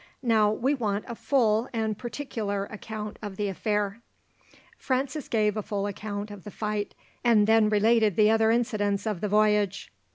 Now we want a full and particular account of the affair." Francis gave a full account of the fight, and then related the other incidents of the voyage.